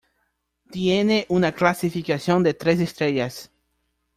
Tiene una clasificación de tres estrellas.